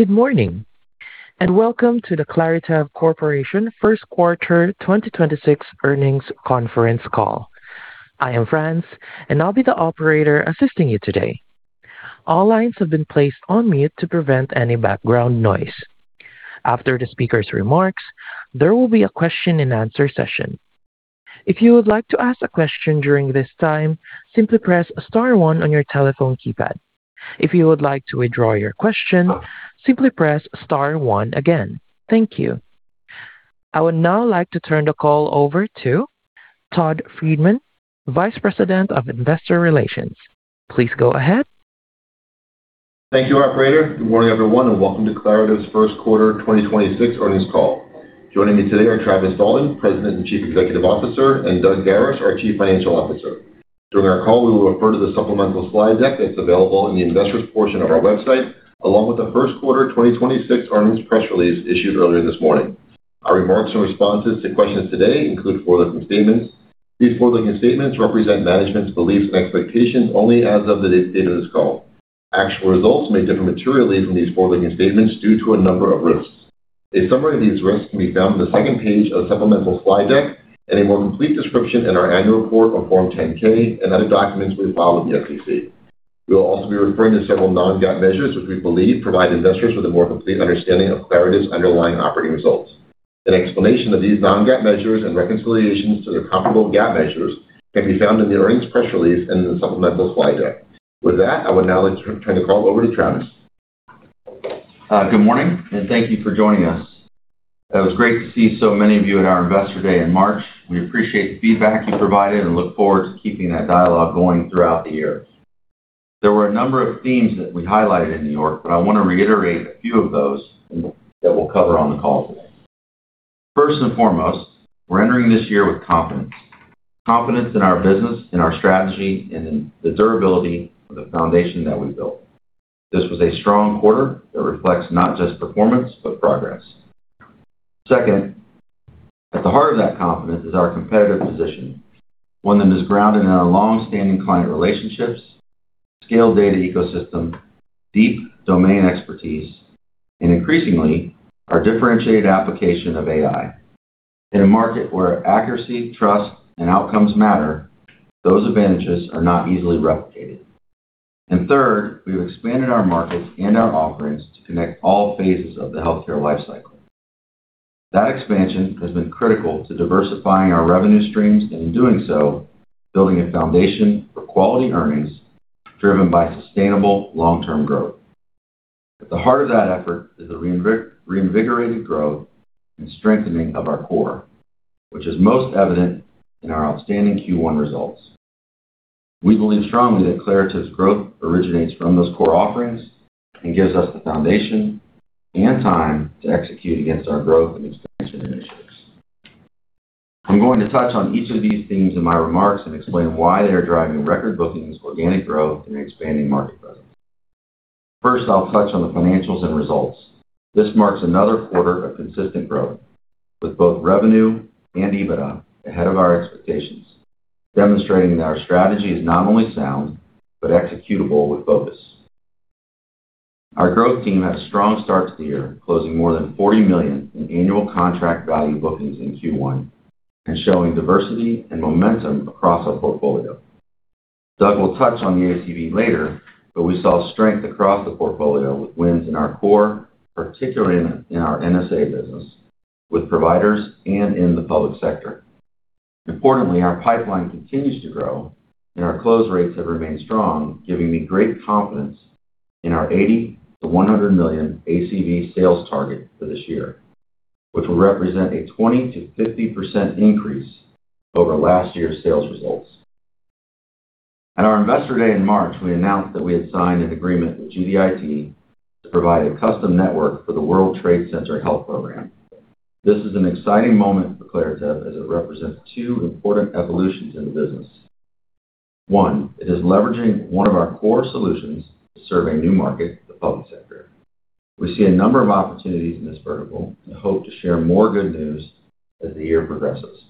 Good morning, and welcome to the Claritev Corporation First Quarter 2026 Earnings Conference Call. I am France, and I'll be the operator assisting you today. All lines have been placed on mute to prevent any background noise. After the speaker's remarks, there will be a question and answer session. If you would like to ask a question during this time, simply press star one on your telephone keypad. If you would like to withdraw your question, simply press star one again. Thank you. I would now like to turn the call over to Todd Friedman, Vice President of Investor Relations. Please go ahead. Thank you, operator. Good morning, everyone, and welcome to Claritev's first quarter 2026 earnings call. Joining me today are Travis Dalton, President and Chief Executive Officer, and Doug Garis, our Chief Financial Officer. During our call, we will refer to the supplemental slide deck that's available in the Investors portion of our website, along with the first quarter 2026 earnings press release issued earlier this morning. Our remarks and responses to questions today include forward-looking statements. These forward-looking statements represent management's beliefs and expectations only as of the date of this call. Actual results may differ materially from these forward-looking statements due to a number of risks. A summary of these risks can be found on the second page of the supplemental slide deck and a more complete description in our annual report on Form 10-K and other documents we file with the SEC. We will also be referring to several non-GAAP measures which we believe provide investors with a more complete understanding of Claritev's underlying operating results. An explanation of these non-GAAP measures and reconciliations to their comparable GAAP measures can be found in the earnings press release and in the supplemental slide deck. With that, I would now like to turn the call over to Travis. Good morning, and thank you for joining us. It was great to see so many of you at our Investor Day in March. We appreciate the feedback you provided and look forward to keeping that dialogue going throughout the year. There were a number of themes that we highlighted in New York. I want to reiterate a few of those that we'll cover on the call today. First and foremost, we're entering this year with confidence. Confidence in our business, in our strategy, and in the durability of the foundation that we built. This was a strong quarter that reflects not just performance, but progress. Second, at the heart of that confidence is our competitive position, one that is grounded in our long-standing client relationships, scaled data ecosystem, deep domain expertise, and increasingly, our differentiated application of AI. In a market where accuracy, trust, and outcomes matter, those advantages are not easily replicated. Third, we've expanded our markets and our offerings to connect all phases of the healthcare lifecycle. That expansion has been critical to diversifying our revenue streams, in doing so, building a foundation for quality earnings driven by sustainable long-term growth. At the heart of that effort is the reinvigorated growth and strengthening of our core, which is most evident in our outstanding Q1 results. We believe strongly that Claritev's growth originates from those core offerings gives us the foundation and time to execute against our growth and expansion initiatives. I'm going to touch on each of these themes in my remarks and explain why they are driving record bookings, organic growth, expanding market presence. First, I'll touch on the financials and results. This marks another quarter of consistent growth with both revenue and EBITDA ahead of our expectations, demonstrating that our strategy is not only sound, but executable with focus. Our growth team had a strong start to the year, closing more than $40 million in annual contract value bookings in Q1 and showing diversity and momentum across our portfolio. Doug will touch on the ACV later, but we saw strength across the portfolio with wins in our core, particularly in our NSA business with providers and in the public sector. Importantly, our pipeline continues to grow and our close rates have remained strong, giving me great confidence in our $80 million-$100 million ACV sales target for this year, which will represent a 20%-50% increase over last year's sales results. At our Investor Day in March, we announced that we had signed an agreement with GDIT to provide a custom network for the World Trade Center Health Program. This is an exciting moment for Claritev as it represents two important evolutions in the business. One, it is leveraging one of our core solutions to serve a new market, the public sector. We see a number of opportunities in this vertical and hope to share more good news as the year progresses.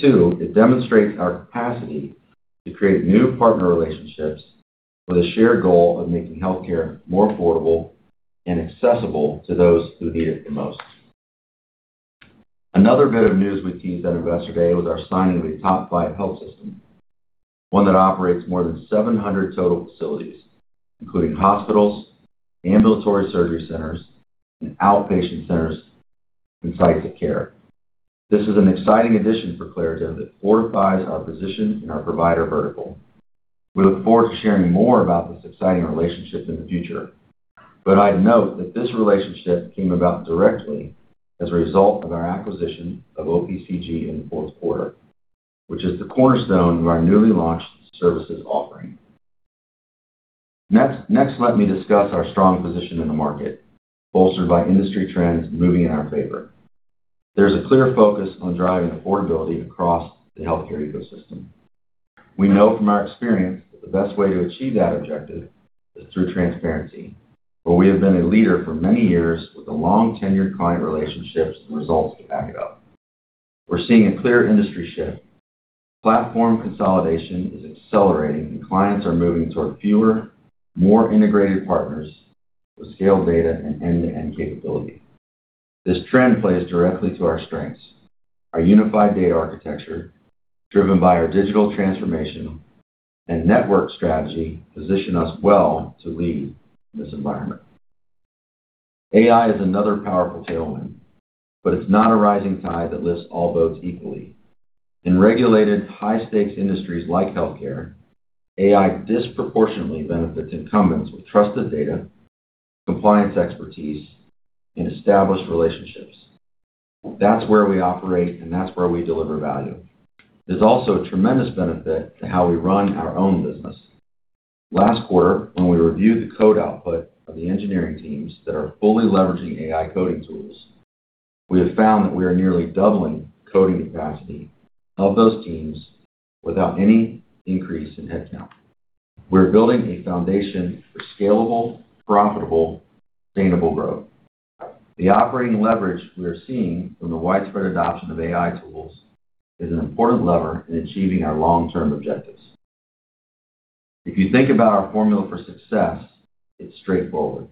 Two, it demonstrates our capacity to create new partner relationships with a shared goal of making healthcare more affordable and accessible to those who need it the most. Another bit of news we teased at Investor Day was our signing of a top-five health system, one that operates more than 700 total facilities, including hospitals, ambulatory surgery centers, and outpatient centers, and sites of care. This is an exciting addition for Claritev that fortifies our position in our provider vertical. We look forward to sharing more about this exciting relationship in the future. I'd note that this relationship came about directly as a result of our acquisition of OPCG in the fourth quarter, which is the cornerstone of our newly launched services offering. Next, let me discuss our strong position in the market, bolstered by industry trends moving in our favor. There's a clear focus on driving affordability across the healthcare ecosystem. We know from our experience that the best way to achieve that objective is through transparency, where we have been a leader for many years with the long-tenured client relationships and results to back it up. We're seeing a clear industry shift. Platform consolidation is accelerating, and clients are moving toward fewer, more integrated partners with scaled data and end-to-end capability. This trend plays directly to our strengths. Our unified data architecture, driven by our digital transformation and network strategy, position us well to lead in this environment. AI is another powerful tailwind. It's not a rising tide that lifts all boats equally. In regulated high-stakes industries like healthcare, AI disproportionately benefits incumbents with trusted data, compliance expertise, and established relationships. That's where we operate. That's where we deliver value. There's also a tremendous benefit to how we run our own business. Last quarter, when we reviewed the code output of the engineering teams that are fully leveraging AI coding tools, we have found that we are nearly doubling coding capacity of those teams without any increase in headcount. We're building a foundation for scalable, profitable, sustainable growth. The operating leverage we are seeing from the widespread adoption of AI tools is an important lever in achieving our long-term objectives. If you think about our formula for success, it's straightforward.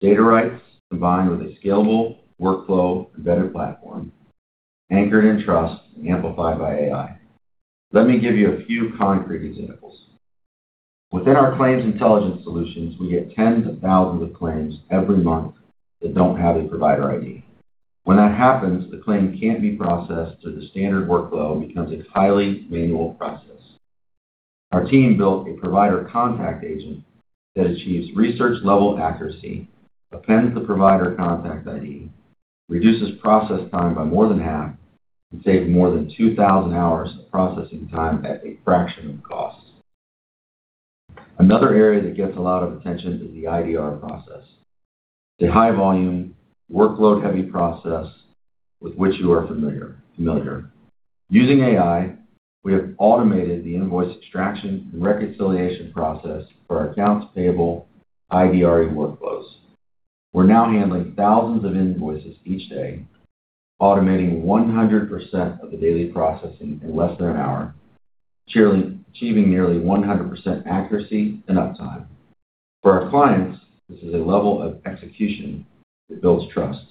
Data rights combined with a scalable workflow and vetted platform, anchored in trust and amplified by AI. Let me give you a few concrete examples. Within our Claims Intelligence solutions, we get tens of thousands of claims every month that don't have a provider ID. When that happens, the claim can't be processed through the standard workflow and becomes a highly manual process. Our team built a provider contact agent that achieves research-level accuracy, appends the provider contact ID, reduces process time by more than half, and saves more than 2,000 hours of processing time at a fraction of the cost. Another area that gets a lot of attention is the IDR process. It's a high-volume, workload-heavy process with which you are familiar. Using AI, we have automated the invoice extraction and reconciliation process for our accounts payable IDR workflows. We're now handling thousands of invoices each day, automating 100% of the daily processing in less than one hour, achieving nearly 100% accuracy and uptime. For our clients, this is a level of execution that builds trust.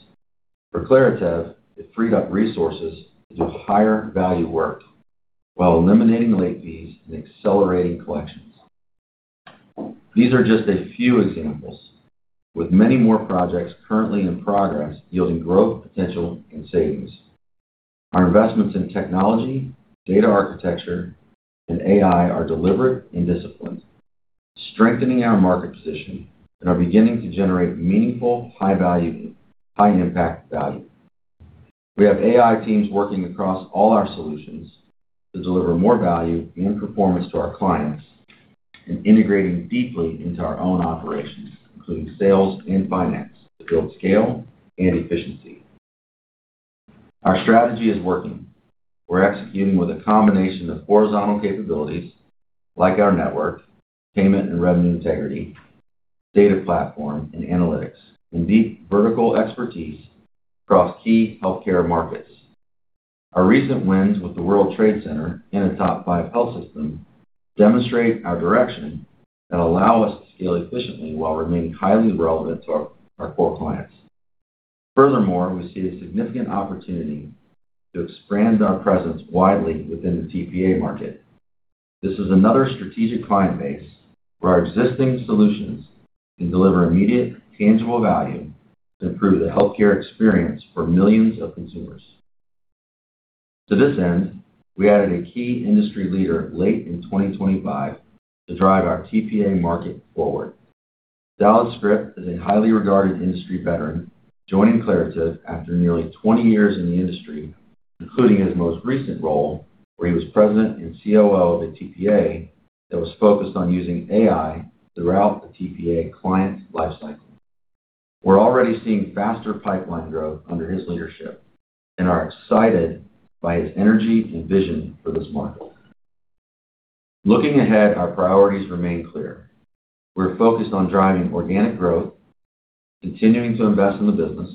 For Claritev, it freed up resources to do higher-value work while eliminating late fees and accelerating collections. These are just a few examples, with many more projects currently in progress yielding growth potential and savings. Our investments in technology, data architecture, and AI are deliberate and disciplined, strengthening our market position and are beginning to generate meaningful, high-value, high-impact value. We have AI teams working across all our solutions to deliver more value and performance to our clients and integrating deeply into our own operations, including sales and finance, to build scale and efficiency. Our strategy is working. We're executing with a combination of horizontal capabilities like our network, payment and revenue integrity, data platform, and analytics, and deep vertical expertise across key healthcare markets. Our recent wins with the World Trade Center and a top five health system demonstrate our direction and allow us to scale efficiently while remaining highly relevant to our core clients. Furthermore, we see a significant opportunity to expand our presence widely within the TPA market. This is another strategic client base where our existing solutions can deliver immediate, tangible value to improve the healthcare experience for millions of consumers. To this end, we added a key industry leader late in 2025 to drive our TPA market forward. Dallas Scrip is a highly regarded industry veteran, joining Claritev after nearly 20 years in the industry, including his most recent role where he was President and COO of a TPA that was focused on using AI throughout the TPA client's lifecycle. We're already seeing faster pipeline growth under his leadership and are excited by his energy and vision for this market. Looking ahead, our priorities remain clear. We're focused on driving organic growth, continuing to invest in the business,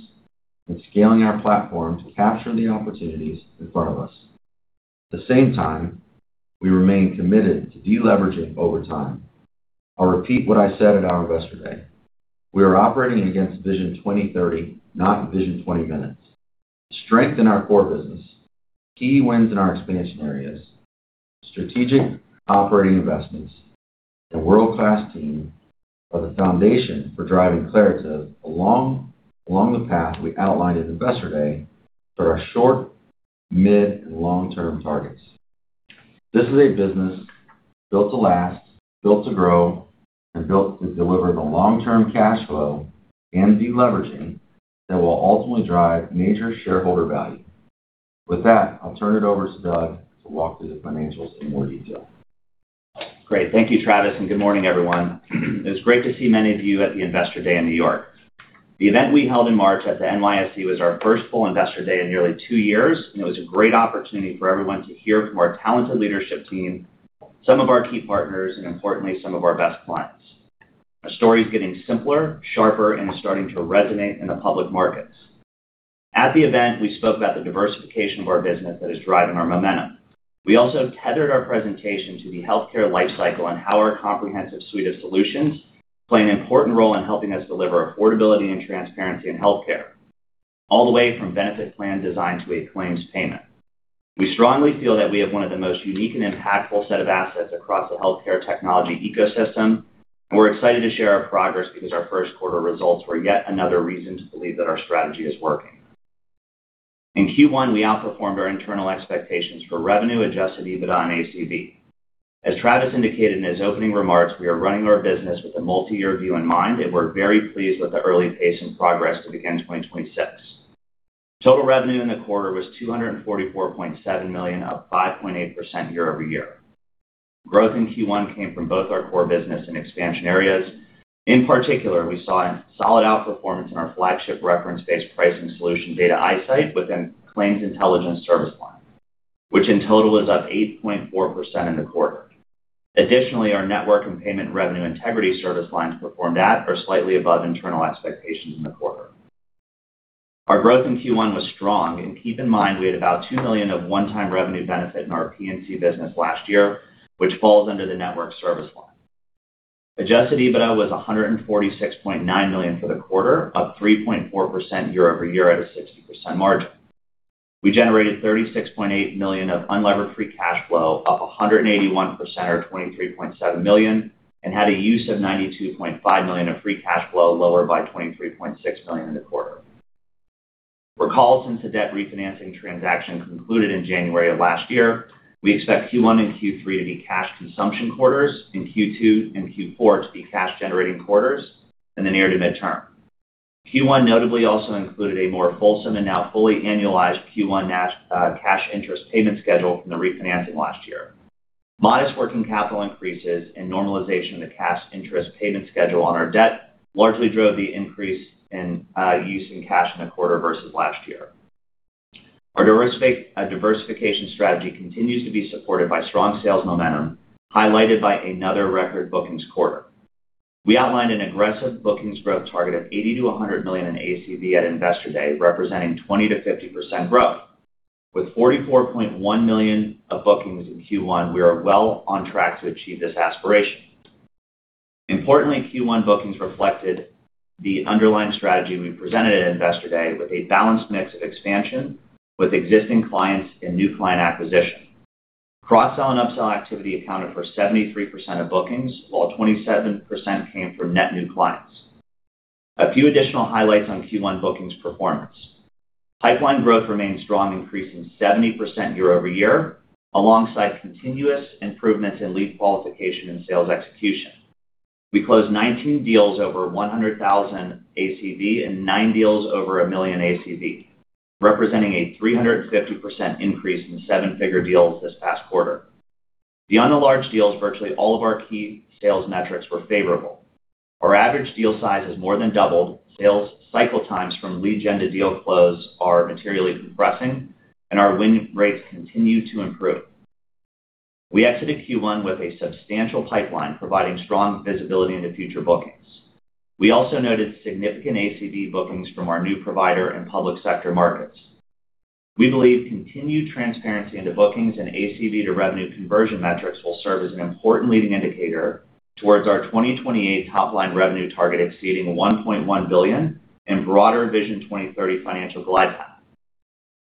and scaling our platform to capture the opportunities in front of us. At the same time, we remain committed to deleveraging over time. I'll repeat what I said at our Investor Day. We are operating against Vision 2030, not vision 20 minutes. Strength in our core business, key wins in our expansion areas, strategic operating investments, and world-class team are the foundation for driving Claritev along the path we outlined at Investor Day for our short, mid, and long-term targets. This is a business built to last, built to grow, and built to deliver the long-term cash flow and deleveraging that will ultimately drive major shareholder value. With that, I'll turn it over to Doug to walk through the financials in more detail. Great. Thank you, Travis. Good morning, everyone. It was great to see many of you at the Investor Day in New York. The event we held in March at the NYSE was our first full Investor Day in nearly two years. It was a great opportunity for everyone to hear from our talented leadership team, some of our key partners, and importantly, some of our best clients. Our story is getting simpler, sharper. It is starting to resonate in the public markets. At the event, we spoke about the diversification of our business that is driving our momentum. We also tethered our presentation to the healthcare lifecycle and how our comprehensive suite of solutions play an important role in helping us deliver affordability and transparency in healthcare, all the way from benefit plan design to a claims payment. We strongly feel that we have one of the most unique and impactful set of assets across the healthcare technology ecosystem. We're excited to share our progress because our first quarter results were yet another reason to believe that our strategy is working. In Q1, we outperformed our internal expectations for revenue, adjusted EBITDA and ACV. As Travis indicated in his opening remarks, we are running our business with a multi-year view in mind, and we're very pleased with the early pace and progress to begin 2026. Total revenue in the quarter was $244.7 million, up 5.8% year-over-year. Growth in Q1 came from both our core business and expansion areas. In particular, we saw a solid outperformance in our flagship reference-based pricing solution, Data iSight, within Claims Intelligence service line, which in total is up 8.4% in the quarter. Additionally, our network and payment revenue integrity service lines performed at or slightly above internal expectations in the quarter. Our growth in Q1 was strong, and keep in mind we had about $2 million of one-time revenue benefit in our P&C business last year, which falls under the network service line. Adjusted EBITDA was $146.9 million for the quarter, up 3.4% year-over-year at a 60% margin. We generated $36.8 million of unlevered free cash flow, up 181%, or $23.7 million, and had a use of $92.5 million of free cash flow, lower by $23.6 million in the quarter. Recall since the debt refinancing transaction concluded in January of last year, we expect Q1 and Q3 to be cash consumption quarters, and Q2 and Q4 to be cash generating quarters in the near to midterm. Q1 notably also included a more fulsome and now fully annualized Q1 cash interest payment schedule from the refinancing last year. Modest working capital increases and normalization of the cash interest payment schedule on our debt largely drove the increase in use in cash in the quarter versus last year. Our diversification strategy continues to be supported by strong sales momentum, highlighted by another record bookings quarter. We outlined an aggressive bookings growth target of $80 million-$100 million in ACV at Investor Day, representing 20%-50% growth. With $44.1 million of bookings in Q1, we are well on track to achieve this aspiration. Importantly, Q1 bookings reflected the underlying strategy we presented at Investor Day with a balanced mix of expansion with existing clients and new client acquisition. Cross-sell and upsell activity accounted for 73% of bookings, while 27% came from net new clients. A few additional highlights on Q1 bookings performance. Pipeline growth remains strong, increasing 70% year-over-year, alongside continuous improvements in lead qualification and sales execution. We closed 19 deals over 100,000 ACV and nine deals over $1 million ACV, representing a 350% increase in seven-figure deals this past quarter. Beyond the large deals, virtually all of our key sales metrics were favorable. Our average deal size has more than doubled. Sales cycle times from lead gen to deal close are materially compressing, and our win rates continue to improve. We exited Q1 with a substantial pipeline providing strong visibility into future bookings. We also noted significant ACV bookings from our new provider and public sector markets. We believe continued transparency into bookings and ACV to revenue conversion metrics will serve as an important leading indicator towards our 2028 top line revenue target exceeding $1.1 billion and broader Vision 2030 financial glide path.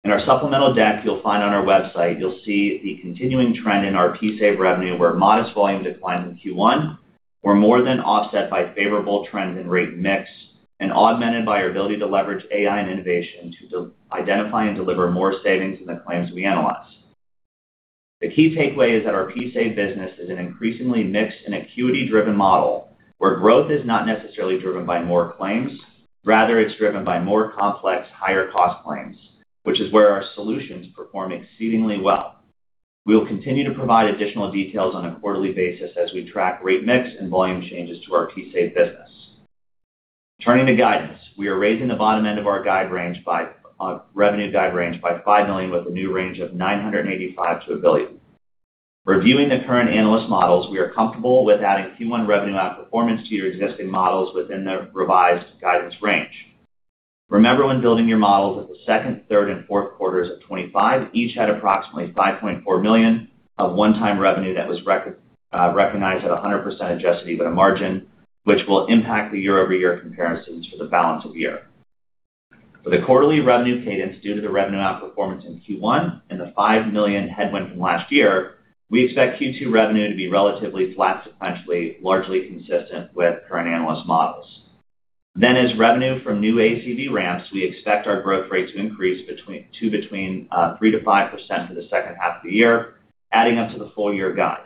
In our supplemental deck you'll find on our website, you'll see the continuing trend in our PSAV revenue, where modest volume declines in Q1 were more than offset by favorable trends in rate mix and augmented by our ability to leverage AI and innovation to identify and deliver more savings in the claims we analyze. The key takeaway is that our PSAV business is an increasingly mixed and acuity-driven model where growth is not necessarily driven by more claims. Rather, it's driven by more complex, higher cost claims, which is where our solutions perform exceedingly well. We will continue to provide additional details on a quarterly basis as we track rate mix and volume changes to our PSAV business. Turning to guidance, we are raising the bottom end of our revenue guide range by $5 million, with a new range of $985 million-$1 billion. Reviewing the current analyst models, we are comfortable with adding Q1 revenue outperformance to your existing models within the revised guidance range. Remember when building your models that the second, third and fourth quarters of 2025 each had approximately $5.4 million of one-time revenue that was recognized at a 100% adjusted EBITDA margin, which will impact the year-over-year comparisons for the balance of the year. For the quarterly revenue cadence due to the revenue outperformance in Q1 and the $5 million headwind from last year, we expect Q2 revenue to be relatively flat sequentially, largely consistent with current analyst models. As revenue from new ACV ramps, we expect our growth rate to increase to between 3%-5% for the second half of the year, adding up to the full year guide.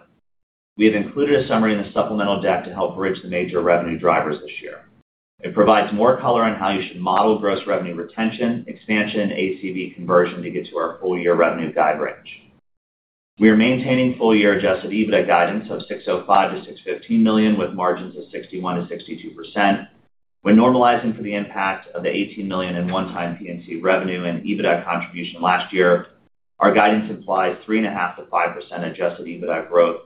We have included a summary in the supplemental deck to help bridge the major revenue drivers this year. It provides more color on how you should model gross revenue retention, expansion, ACV conversion to get to our full year revenue guide range. We are maintaining full year adjusted EBITDA guidance of $605 million-$615 million, with margins of 61%-62%. When normalizing for the impact of the $18 million in one-time P&C revenue and EBITDA contribution last year, our guidance implies 3.5%-5% adjusted EBITDA growth,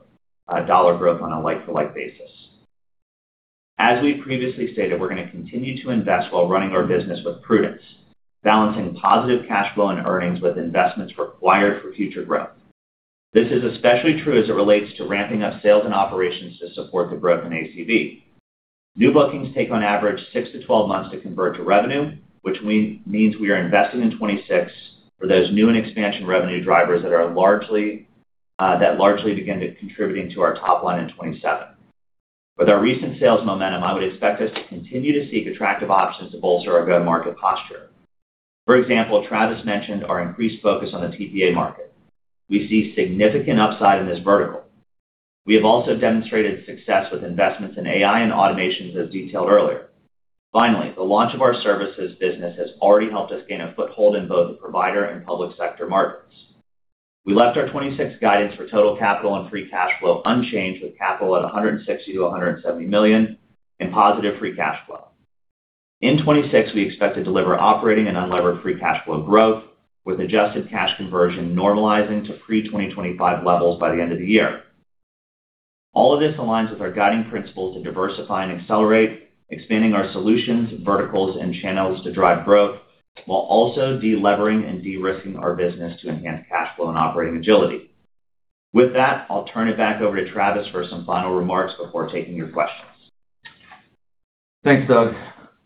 dollar growth on a like-for-like basis. As we previously stated, we're gonna continue to invest while running our business with prudence, balancing positive cash flow and earnings with investments required for future growth. This is especially true as it relates to ramping up sales and operations to support the growth in ACV. New bookings take on average six-12 months to convert to revenue, which means we are investing in 2026 for those new and expansion revenue drivers that are largely that largely begin to contributing to our top line in 2027. With our recent sales momentum, I would expect us to continue to seek attractive options to bolster our go-to-market posture. For example, Travis mentioned our increased focus on the TPA market. We see significant upside in this vertical. We have also demonstrated success with investments in AI and automations, as detailed earlier. Finally, the launch of our services business has already helped us gain a foothold in both the provider and public sector markets. We left our 2026 guidance for total capital and free cash flow unchanged, with capital at $160 million-$170 million and positive free cash flow. In 2026, we expect to deliver operating and unlevered free cash flow growth, with adjusted cash conversion normalizing to pre-2025 levels by the end of the year. All of this aligns with our guiding principle to diversify and accelerate, expanding our solutions, verticals, and channels to drive growth, while also de-levering and de-risking our business to enhance cash flow and operating agility. With that, I'll turn it back over to Travis for some final remarks before taking your questions. Thanks, Doug.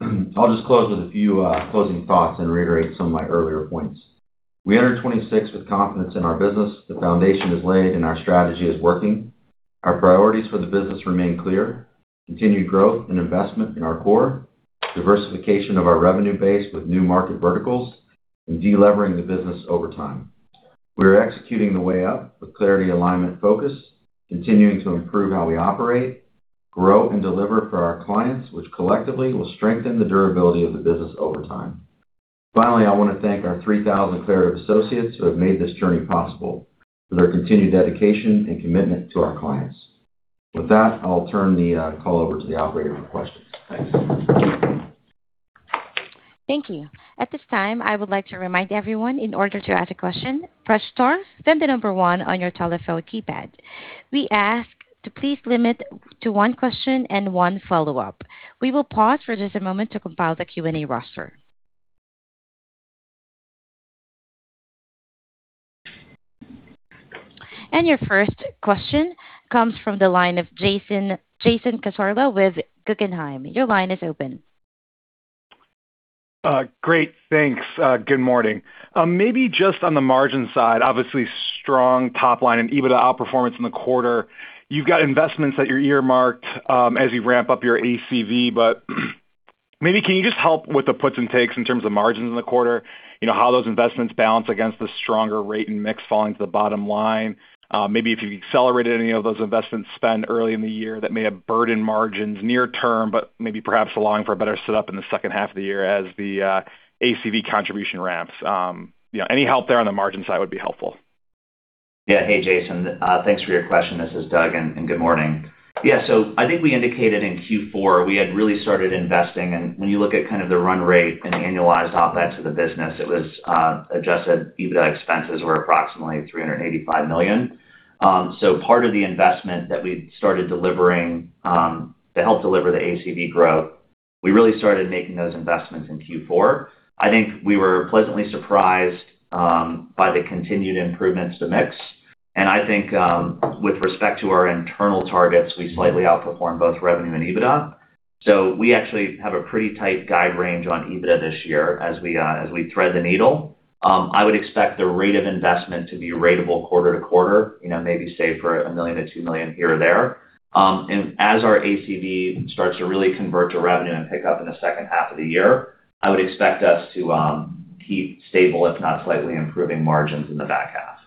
I'll just close with a few closing thoughts and reiterate some of my earlier points. We enter 2026 with confidence in our business. The foundation is laid and our strategy is working. Our priorities for the business remain clear: continued growth and investment in our core, diversification of our revenue base with new market verticals, and de-levering the business over time. We are executing the way up with clarity, alignment, focus, continuing to improve how we operate, grow, and deliver for our clients, which collectively will strengthen the durability of the business over time. Finally, I wanna thank our 3,000 Claritev associates who have made this journey possible for their continued dedication and commitment to our clients. With that, I'll turn the call over to the operator for questions. Thanks. Your first question comes from the line of Jason Cassorla with Guggenheim. Your line is open. Great. Thanks. Good morning. Maybe just on the margin side, obviously strong top line and EBITDA outperformance in the quarter. You've got investments that you earmarked as you ramp up your ACV. Maybe can you just help with the puts and takes in terms of margins in the quarter? You know, how those investments balance against the stronger rate and mix falling to the bottom line. Maybe if you've accelerated any of those investments spent early in the year that may have burdened margins near term, maybe perhaps allowing for a better set up in the second half of the year as the ACV contribution ramps. You know, any help there on the margin side would be helpful. Hey, Jason. Thanks for your question. This is Doug, and good morning. I think we indicated in Q4 we had really started investing. When you look at kind of the run rate and annualized OpEx of the business, it was adjusted EBITDA expenses were approximately $385 million. Part of the investment that we started delivering to help deliver the ACV growth, we really started making those investments in Q4. I think we were pleasantly surprised by the continued improvements to mix. I think, with respect to our internal targets, we slightly outperformed both revenue and EBITDA. We actually have a pretty tight guide range on EBITDA this year as we thread the needle. I would expect the rate of investment to be ratable quarter-to-quarter, you know, maybe say for $1 million-$2 million here or there. As our ACV starts to really convert to revenue and pick up in the second half of the year, I would expect us to keep stable, if not slightly improving margins in the back half.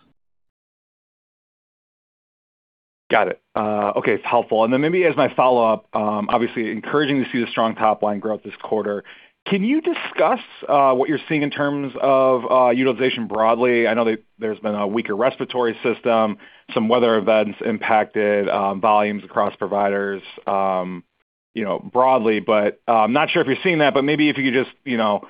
Got it. Okay. It's helpful. Maybe as my follow-up, obviously encouraging to see the strong top-line growth this quarter. Can you discuss what you're seeing in terms of utilization broadly? I know that there's been a weaker respiratory system, some weather events impacted volumes across providers, you know, broadly, but not sure if you're seeing that, but maybe if you could just, you know,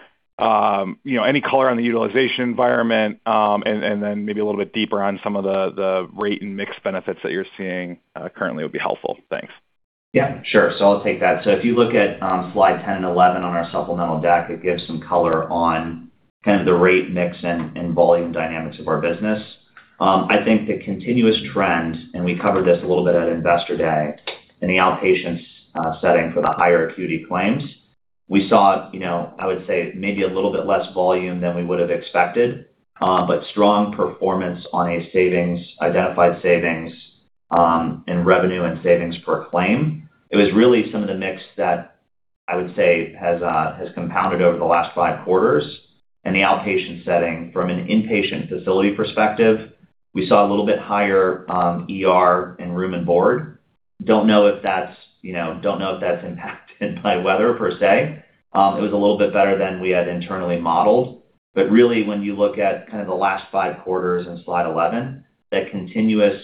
any color on the utilization environment, and then maybe a little bit deeper on some of the rate and mix benefits that you're seeing currently would be helpful. Thanks. Yeah, sure. I'll take that. If you look at slide 10 and 11 on our supplemental deck, it gives some color on kind of the rate mix and volume dynamics of our business. I think the continuous trend, and we covered this a little bit at Investor Day, in the outpatient setting for the higher acuity claims. We saw, you know, I would say maybe a little bit less volume than we would have expected, but strong performance on a savings, identified savings, in revenue and savings per claim. It was really some of the mix that I would say has compounded over the last five quarters in the outpatient setting. From an inpatient facility perspective, we saw a little bit higher ER and room and board. Don't know if that's, you know, don't know if that's impacted by weather per se. It was a little bit better than we had internally modeled. Really when you look at kind of the last five quarters in slide 11, that continuous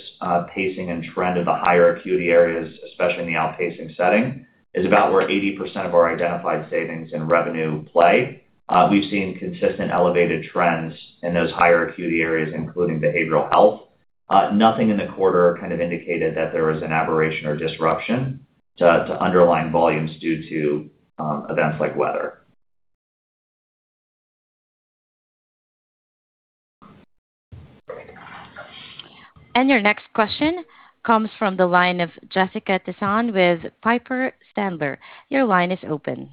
pacing and trend of the higher acuity areas, especially in the outpacing setting, is about where 80% of our identified savings in revenue play. We've seen consistent elevated trends in those higher acuity areas, including behavioral health. Nothing in the quarter kind of indicated that there was an aberration or disruption to underlying volumes due to events like weather. Your next question comes from the line of Jessica Tassan with Piper Sandler. Your line is open.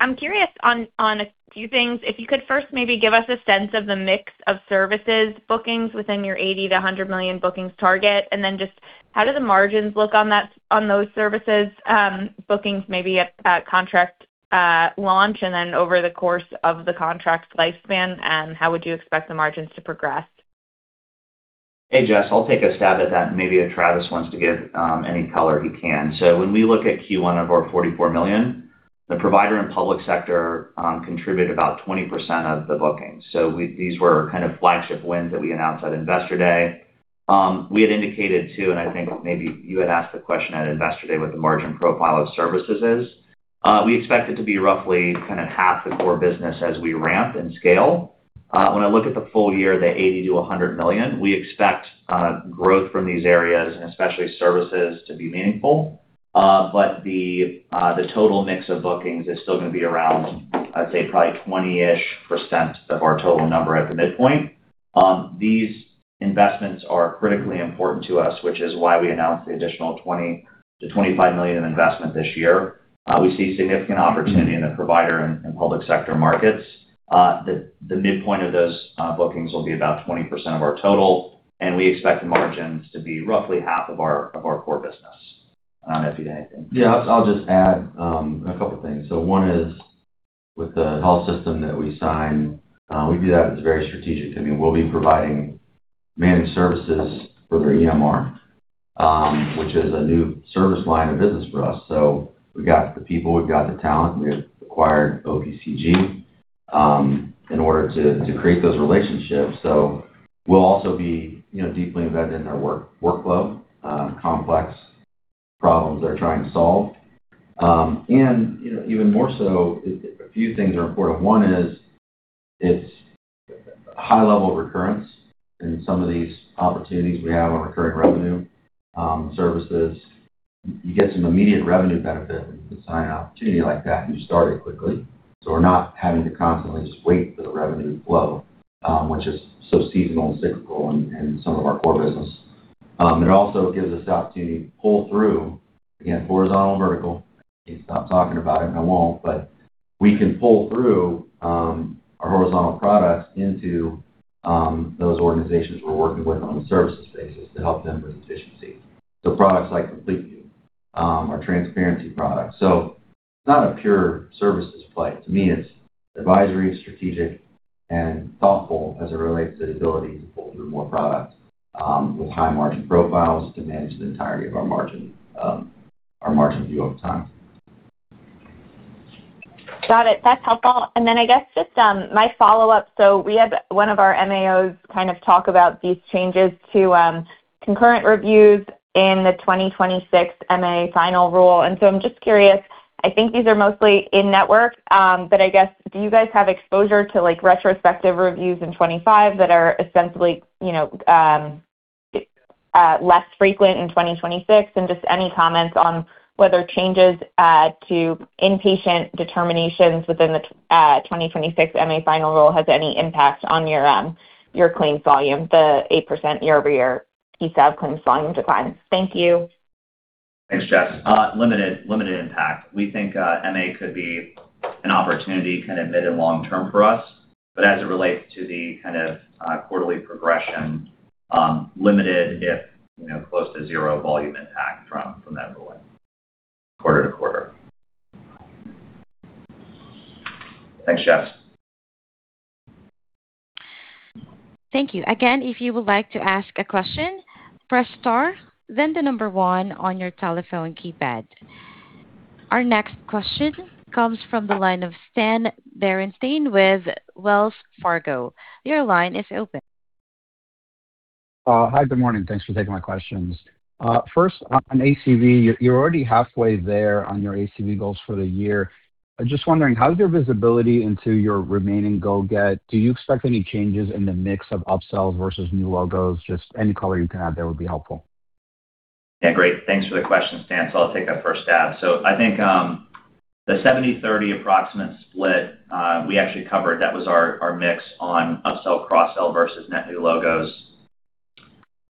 I'm curious on a few things. If you could first maybe give us a sense of the mix of services bookings within your $80 million-$100 million bookings target, and then just how do the margins look on that, on those services bookings maybe at contract launch, and then over the course of the contract lifespan, and how would you expect the margins to progress? Hey, Jess, I'll take a stab at that, and maybe if Travis wants to give any color, he can. When we look at Q1 of our $44 million, the provider and public sector contribute about 20% of the bookings. These were kind of flagship wins that we announced at Investor Day. We had indicated, too, and I think maybe you had asked the question at Investor Day what the margin profile of services is. We expect it to be roughly kind of half the core business as we ramp and scale. When I look at the full year, the $80 million-$100 million, we expect growth from these areas, and especially services, to be meaningful. The total mix of bookings is still gonna be around, I'd say, probably 20%-ish of our total number at the midpoint. These investments are critically important to us, which is why we announced the additional $20 million-$25 million in investment this year. We see significant opportunity in the provider and public sector markets. The midpoint of those bookings will be about 20% of our total, and we expect margins to be roughly half of our core business. I don't know if you'd add anything. Yeah, I'll just add a couple of things. One is with the health system that we signed, we view that as very strategic. I mean, we'll be providing managed services for their EMR, which is a new service line of business for us. We've got the people, we've got the talent, we have acquired OPCG in order to create those relationships. We'll also be, you know, deeply embedded in their workflow, complex problems they're trying to solve. You know, even more so, a few things are important. One is it's high level of recurrence in some of these opportunities we have on recurring revenue services. You get some immediate revenue benefit when you can sign an opportunity like that, and you start it quickly. We're not having to constantly just wait for the revenue to flow, which is so seasonal and cyclical in some of our core business. It also gives us the opportunity to pull through, again, horizontal and vertical. I can't stop talking about it, and I won't. We can pull through our horizontal products into those organizations we're working with on the services basis to help them with efficiency. Products like CompleteVue, our transparency products. To me, it's advisory, strategic, and thoughtful as it relates to the ability to pull through more products with high margin profiles to manage the entirety of our margin, our margin view over time. Got it. That's helpful. I guess just my follow-up. We had one of our MAOs kind of talk about these changes to concurrent reviews in the 2026 MA final rule. I'm just curious, I think these are mostly in-network, but I guess, do you guys have exposure to, like, retrospective reviews in 2025 that are ostensibly, you know, less frequent in 2026? Just any comments on whether changes to inpatient determinations within the 2026 MA final rule has any impact on your claims volume, the 8% year-over-year PSAV claims volume decline. Thank you. Thanks, Jess. Limited impact. We think MA could be an opportunity kind of mid and long term for us. As it relates to the kind of quarterly progression, limited if, you know, close to zero volume impact from that ruling quarter-to-quarter. Thanks, Jess. Thank you. Again, if you would like to ask a question, press star then the number one on your telephone keypad. Our next question comes from the line of Stan Berenshteyn with Wells Fargo. Your line is open. Hi. Good morning. Thanks for taking my questions. First on ACV, you're already halfway there on your ACV goals for the year. I'm just wondering, how's your visibility into your remaining go get? Do you expect any changes in the mix of upsells versus new logos? Just any color you can add there would be helpful. Yeah, great. Thanks for the question, Stan. I'll take that first stab. I think, the 70/30 approximate split, we actually covered. That was our mix on upsell, cross-sell versus net new logos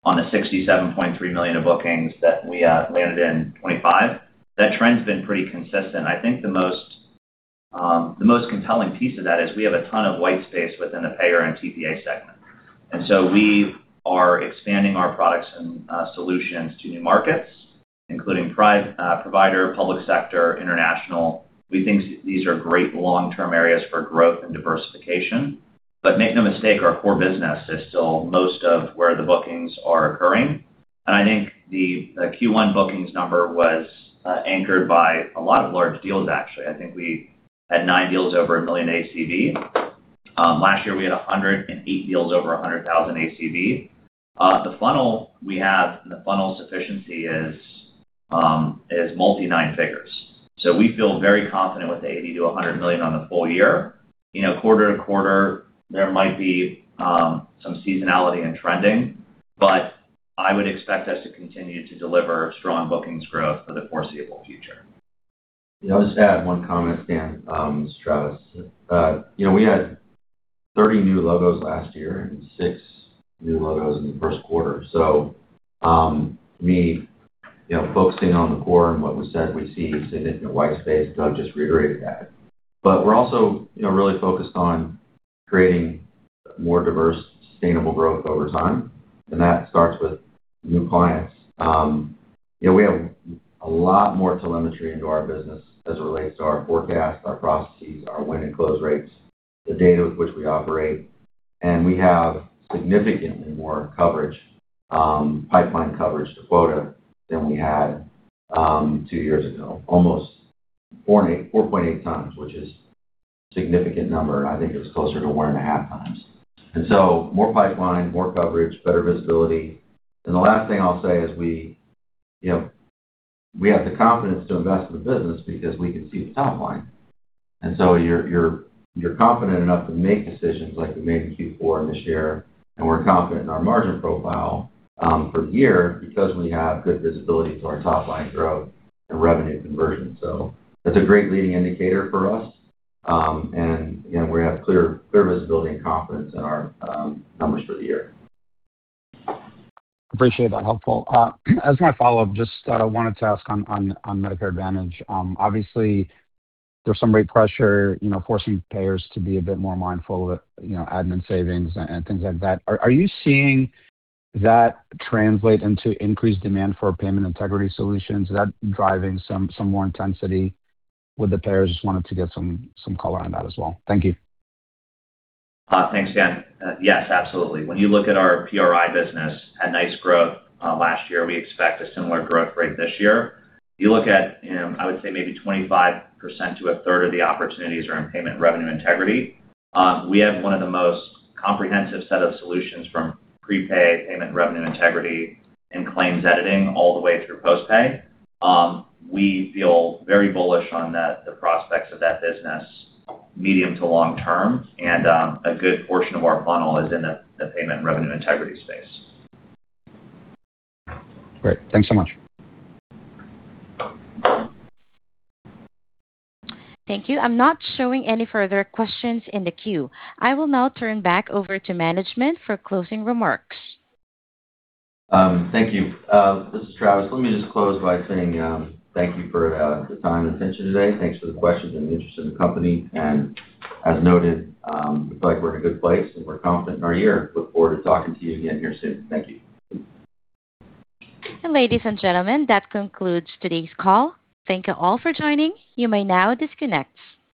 on the $67.3 million of bookings that we landed in 2025. That trend's been pretty consistent. I think the most, the most compelling piece of that is we have a ton of white space within the payer and TPA segment. We are expanding our products and solutions to new markets, including provider, public sector, international. We think these are great long-term areas for growth and diversification. Make no mistake, our core business is still most of where the bookings are occurring. I think the Q1 bookings number was anchored by a lot of large deals, actually. I think we had nine deals over $1 million ACV. Last year, we had 108 deals over $100,000 ACV. The funnel we have, and the funnel sufficiency is multi-nine figures. We feel very confident with $80 million-$100 million on the full year. You know, quarter-to-quarter, there might be some seasonality and trending, but I would expect us to continue to deliver strong bookings growth for the foreseeable future. You know, I'll just add one comment, Stan. This is Travis. You know, we had 30 new logos last year and six new logos in the first quarter. We, you know, focusing on the core and what was said, we see significant white space. Doug just reiterated that. We're also, you know, really focused on creating more diverse, sustainable growth over time, and that starts with new clients. You know, we have a lot more telemetry into our business as it relates to our forecast, our processes, our win and close rates, the data with which we operate, and we have significantly more coverage, pipeline coverage to quota than we had two years ago. Almost 4.8 times, which is significant number. I think it was closer to one and a half times. More pipeline, more coverage, better visibility. The last thing I'll say is we, you know, we have the confidence to invest in the business because we can see the top line. You're confident enough to make decisions like we made in Q4 and this year, and we're confident in our margin profile for the year because we have good visibility to our top line growth and revenue conversion. That's a great leading indicator for us. You know, we have clear visibility and confidence in our numbers for the year. Appreciate that. Helpful. As my follow-up, just wanted to ask on Medicare Advantage. Obviously, there's some rate pressure, you know, forcing payers to be a bit more mindful of, you know, admin savings and things like that. Are you seeing that translate into increased demand for payment integrity solutions? Is that driving some more intensity with the payers? Just wanted to get some color on that as well. Thank you. Thanks again. Yes, absolutely. When you look at our PRI business, had nice growth last year. We expect a similar growth rate this year. You look at, you know, I would say maybe 25% to a third of the opportunities are in payment revenue integrity. We have one of the most comprehensive set of solutions from prepay, payment revenue integrity, and claims editing all the way through post-pay. We feel very bullish on that, the prospects of that business, medium to long term, and a good portion of our funnel is in the payment revenue integrity space. Great. Thanks so much. Thank you. I'm not showing any further questions in the queue. I will now turn back over to management for closing remarks. Thank you. This is Travis. Let me just close by saying, thank you for the time and attention today. Thanks for the questions and the interest in the company. As noted, looks like we're in a good place, and we're confident in our year. Look forward to talking to you again here soon. Thank you. Ladies and gentlemen, that concludes today's call. Thank you all for joining. You may now disconnect.